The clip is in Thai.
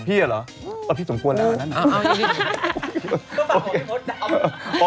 พี่อะหรออะพี่สมควรร้านครับ